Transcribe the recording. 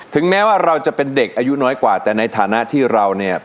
แม้ว่าเราจะเป็นเด็กอายุน้อยกว่าแต่ในฐานะที่เราเนี่ย